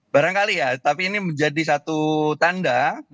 barangkali ya tapi ini menjadi satu tanda